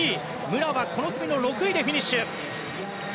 武良はこの組の６位でフィニッシュ。